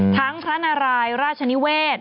ทั้งพระนารายย์ราชนิเวทย์